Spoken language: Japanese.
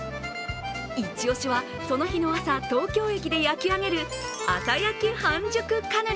イチ押しは、その日の朝、東京駅で焼き上げる朝焼き半熟カヌレ。